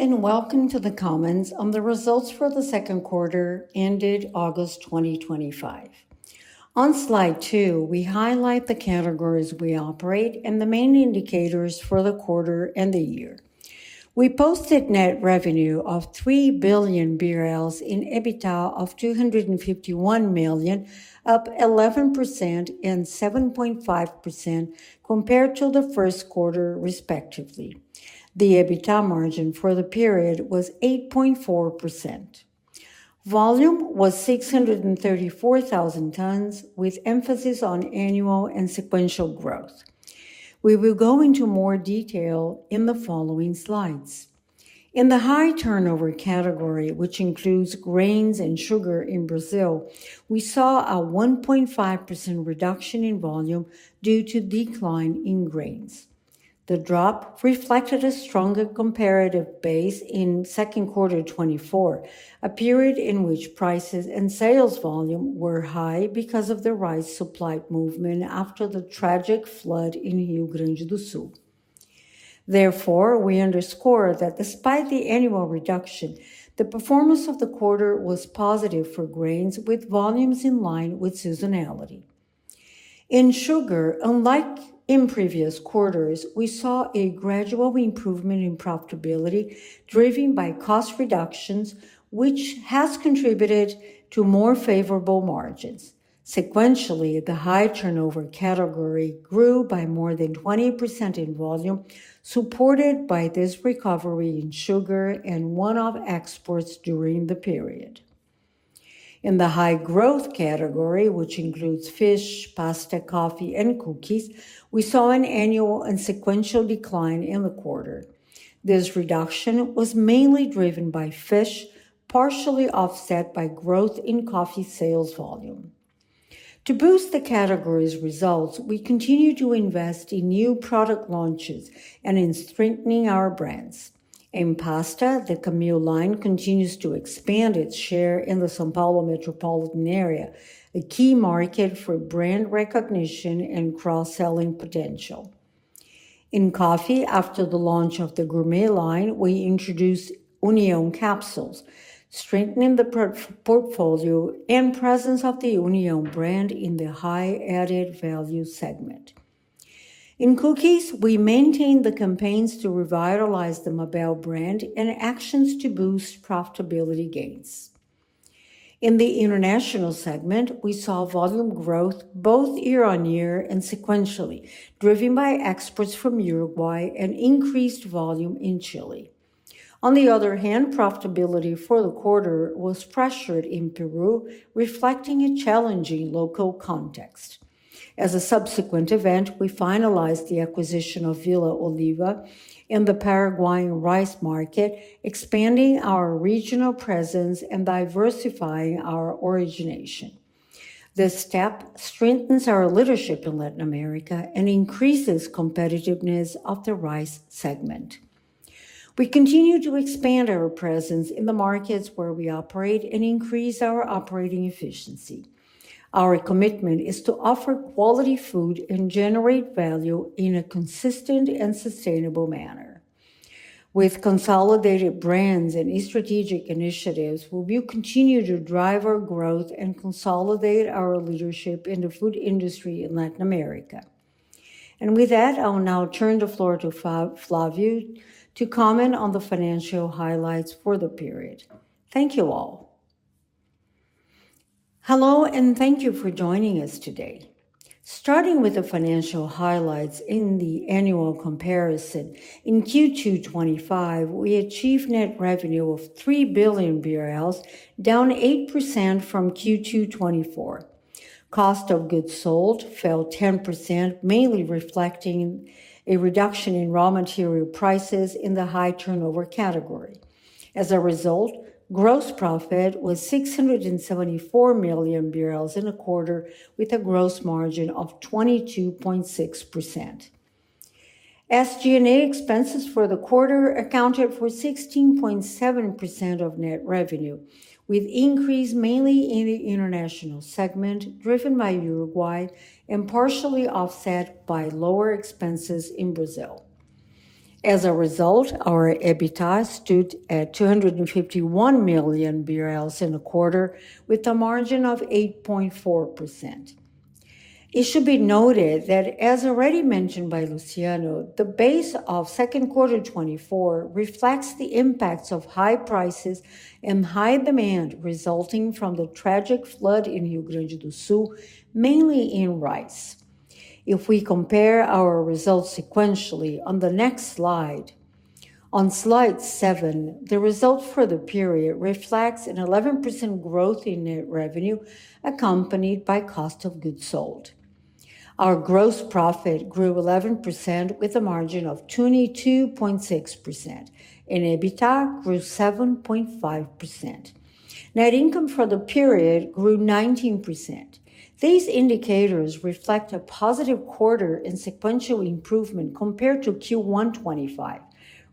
Hello and welcome to the Camil call on the results for the second quarter ended August 2025. On slide two, we highlight the categories we operate and the main indicators for the quarter and the year. We posted net revenue of 3 billion BRL and EBITDA of 251 million, up 11% and 7.5% compared to the first quarter, respectively. The EBITDA margin for the period was 8.4%. Volume was 634,000 tons, with emphasis on annual and sequential growth. We will go into more detail in the following slides. In the high turnover category, which includes grains and sugar in Brazil, we saw a 1.5% reduction in volume due to decline in grains. The drop reflected a stronger comparative base in second quarter 2024, a period in which prices and sales volume were high because of the rise in supply movement after the tragic flood in Rio Grande do Sul. Therefore, we underscore that despite the annual reduction, the performance of the quarter was positive for grains, with volumes in line with seasonality. In sugar, unlike in previous quarters, we saw a gradual improvement in profitability driven by cost reductions, which has contributed to more favorable margins. Sequentially, the High Turnover category grew by more than 20% in volume, supported by this recovery in sugar and one-off exports during the period. In the High Growth category, which includes fish, pasta, coffee, and cookies, we saw an annual and sequential decline in the quarter. This reduction was mainly driven by fish, partially offset by growth in coffee sales volume. To boost the category's results, we continue to invest in new product launches and in strengthening our brands. In pasta, the Camil line continues to expand its share in the São Paulo metropolitan area, a key market for brand recognition and cross-selling potential. In coffee, after the launch of the Gourmet line, we introduced União capsules, strengthening the portfolio and presence of the União brand in the high added value segment. In cookies, we maintained the campaigns to revitalize the Mabel brand and actions to boost profitability gains. In the International segment, we saw volume growth both year-on-year and sequentially, driven by exports from Uruguay and increased volume in Chile. On the other hand, profitability for the quarter was pressured in Peru, reflecting a challenging local context. As a subsequent event, we finalized the acquisition of Villa Oliva in the Paraguayan rice market, expanding our regional presence and diversifying our origination. This step strengthens our leadership in Latin America and increases competitiveness of the rice segment. We continue to expand our presence in the markets where we operate and increase our operating efficiency. Our commitment is to offer quality food and generate value in a consistent and sustainable manner. With consolidated brands and strategic initiatives, we will continue to drive our growth and consolidate our leadership in the food industry in Latin America. And with that, I'll now turn the floor to Flávio to comment on the financial highlights for the period. Thank you all. Hello and thank you for joining us today. Starting with the financial highlights in the annual comparison, in Q2 2025, we achieved net revenue of 3 billion BRL, down 8% from Q2 2024. Cost of goods sold fell 10%, mainly reflecting a reduction in raw material prices in the High Turnover category. As a result, gross profit was 674 million in the quarter, with a gross margin of 22.6%. SG&A expenses for the quarter accounted for 16.7% of net revenue, with increase mainly in the international segment driven by Uruguay and partially offset by lower expenses in Brazil. As a result, our EBITDA stood at 251 million BRL in the quarter, with a margin of 8.4%. It should be noted that, as already mentioned by Luciano, the base of second quarter 2024 reflects the impacts of high prices and high demand resulting from the tragic flood in Rio Grande do Sul, mainly in rice. If we compare our results sequentially on the next slide, on slide seven, the results for the period reflects an 11% growth in net revenue accompanied by cost of goods sold. Our gross profit grew 11% with a margin of 22.6%. In EBITDA, it grew 7.5%. Net income for the period grew 19%. These indicators reflect a positive quarter and sequential improvement compared to Q1 2025,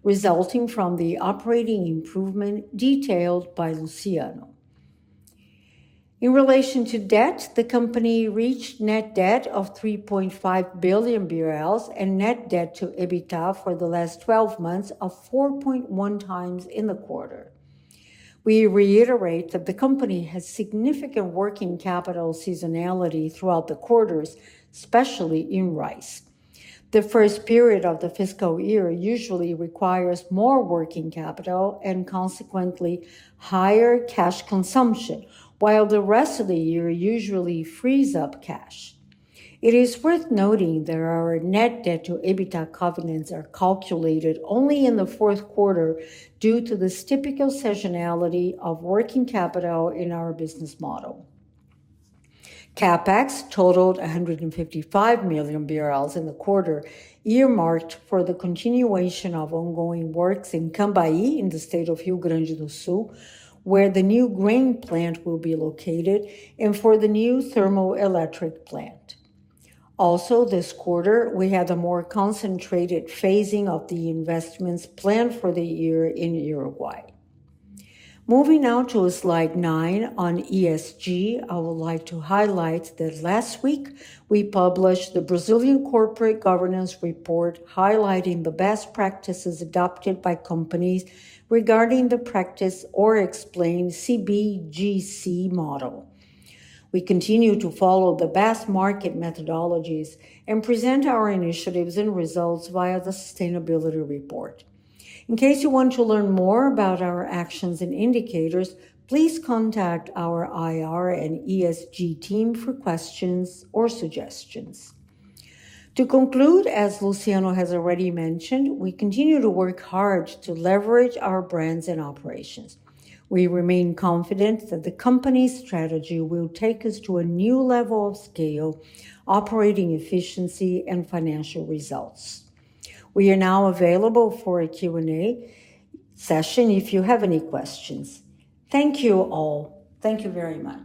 resulting from the operating improvement detailed by Luciano. In relation to debt, the company reached net debt of 3.5 billion BRL and net debt to EBITDA for the last 12 months of 4.1 times in the quarter. We reiterate that the company has significant working capital seasonality throughout the quarters, especially in rice. The first period of the fiscal year usually requires more working capital and consequently higher cash consumption, while the rest of the year usually frees up cash. It is worth noting that our net debt to EBITDA covenants are calculated only in the fourth quarter due to the typical seasonality of working capital in our business model. CAPEX totaled 155 million BRL in the quarter earmarked for the continuation of ongoing works in Cambaí in the state of Rio Grande do Sul, where the new grain plant will be located, and for the new thermoelectric plant. Also, this quarter, we had a more concentrated phasing of the investments planned for the year in Uruguay. Moving now to slide nine on ESG, I would like to highlight that last week we published the Brazilian Corporate Governance Report highlighting the best practices adopted by companies regarding the comply or explain CBGC model. We continue to follow the best market methodologies and present our initiatives and results via the sustainability report. In case you want to learn more about our actions and indicators, please contact our IR and ESG team for questions or suggestions. To conclude, as Luciano has already mentioned, we continue to work hard to leverage our brands and operations. We remain confident that the company's strategy will take us to a new level of scale, operating efficiency, and financial results. We are now available for a Q&A session if you have any questions. Thank you all. Thank you very much.